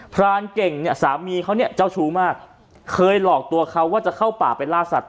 พรานเก่งสามีเขาเจ้าชูมากเคยหลอกตัวเขาว่าจะเข้าปากไปลาสัตว์